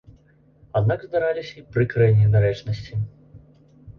Аднак здараліся і прыкрыя недарэчнасці.